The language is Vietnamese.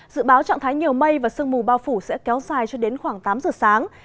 dự báo trạng thái nhiều mây và sương mù bao phủ sẽ kéo dài cho đến khoảng tám giờ sáng